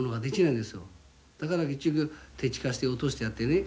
だから結局摘果して落としてやってね。